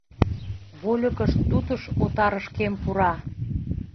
Вольыкышт тутыш отарышкем пура.